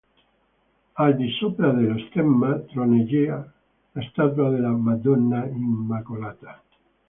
Al di sopra dello stemma troneggia la statua della "Madonna Immacolata".